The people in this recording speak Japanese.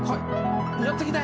寄ってきて。